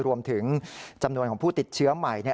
รวมถึงจำนวนของผู้ติดเชื้อใหม่